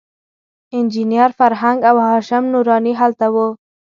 انجینر فرهنګ او هاشم نوراني هلته وو.